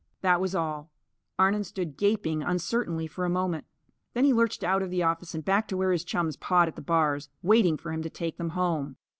That was all. Arnon stood gaping uncertainly, for a moment. Then he lurched out of the office and back to where his chums pawed at the bars, waiting for him to take them home.